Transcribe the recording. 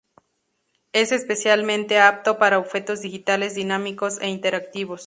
Es especialmente apto para objetos digitales dinámicos e interactivos.